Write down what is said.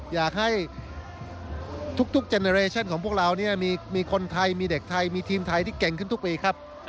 อยากให้ทุกเจนเรชั่นของพวกเราเนี่ยมีคนไทยมีเด็กไทยมีทีมไทยที่เก่งขึ้นทุกปีครับ